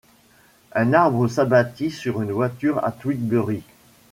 Un arbre s'abattit sur une voiture à Tewksbury.